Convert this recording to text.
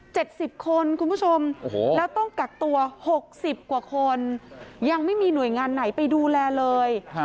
สิบคนคุณผู้ชมโอ้โหแล้วต้องกักตัวหกสิบกว่าคนยังไม่มีหน่วยงานไหนไปดูแลเลย